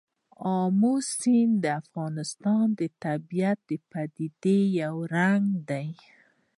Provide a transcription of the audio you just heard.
آمو سیند د افغانستان د طبیعي پدیدو یو رنګ دی.